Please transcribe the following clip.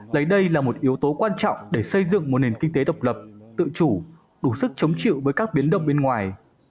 lấy đây là một yếu tố quan trọng để xây dựng một nền kinh tế độc lập tự chủ đủ sức chống chịu với các biến động bên ngoài